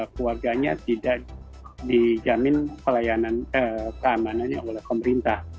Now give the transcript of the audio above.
keluarganya tidak dijamin keamanannya oleh pemerintah